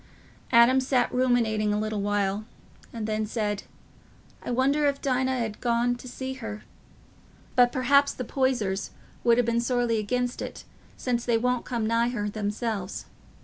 Adam sat ruminating a little while, and then said, "I wonder if Dinah 'ud ha' gone to see her. But perhaps the Poysers would ha' been sorely against it, since they won't come nigh her themselves.